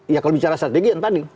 ya kalau bicara strategi yang tadi